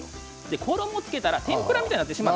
衣をつけたら天ぷらみたいになってしまう。